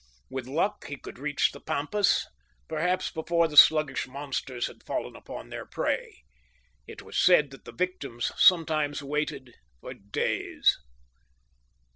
With luck he could reach the pampas, perhaps before the sluggish monsters had fallen upon their prey. It was said that the victims sometimes waited for days!